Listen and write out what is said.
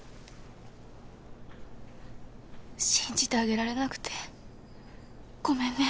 信じてあげられなくてごめんね。